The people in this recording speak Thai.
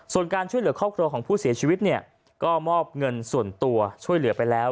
ส่วนการช่วยเหลือครอบครัวของผู้เสียชีวิตเนี่ยก็มอบเงินส่วนตัวช่วยเหลือไปแล้ว